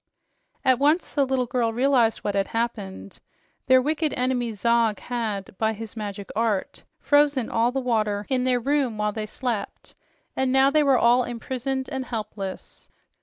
At once the little girl realized what had happened. Their wicked enemy Zog had by his magic art frozen all the water in their room while they slept, and now they were all imprisoned and helpless.